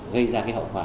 gây ra cái hậu quả